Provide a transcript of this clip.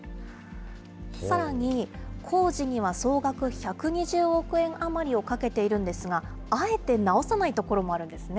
さらに工事には総額１２０億円余りをかけているんですが、あえて直さない所もあるんですね。